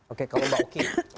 oke kalau mbak oki